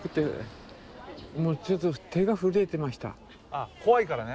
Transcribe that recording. あっ怖いからね。